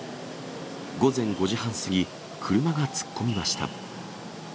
午前５時半過ぎ、車が突っ込みました。